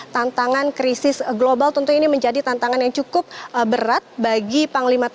tantangan krisis global tentunya ini menjadi tantangan yang cukup berat bagi panglima tni